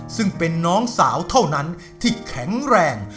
ซึ่งเป็นน้องสาวเท่านั้นที่แข็งแรง